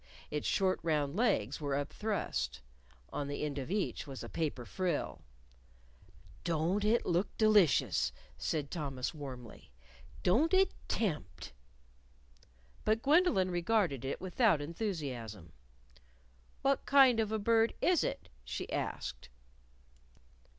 Its short round legs were up thrust. On the end of each was a paper frill. "Don't it look delicious!" said Thomas warmly. "Don't it tempt!" But Gwendolyn regarded it without enthusiasm. "What kind of a bird is it?" she asked.